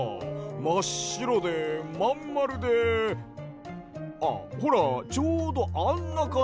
まっしろでまんまるであっほらちょうどあんなかんじのってええ！？